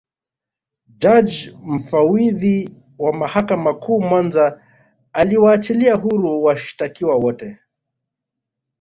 Jaji Mfawidhi wa Mahakama Kuu Mwanza aliwaachilia huru washitakiwa wote